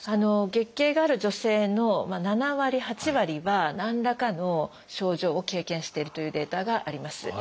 月経がある女性の７割８割は何らかの症状を経験しているというデータがあります。